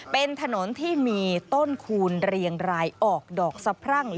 เป็นถนนที่มีต้นคูณเรียงรายออกดอกสะพรั่ง